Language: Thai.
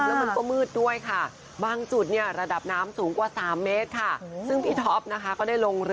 แล้วมันก็มืดด้วยบางจุดระดับน้ำสูงกว่า๓เมตร